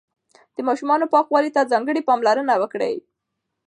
د ماشومانو پاکوالي ته ځانګړې پاملرنه وکړئ.